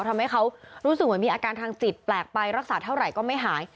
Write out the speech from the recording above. ทำให้เขารู้สึกเหมือนมีอาการทางจิตแปลกไปรักษาเท่าไหร่ก็ไม่หาย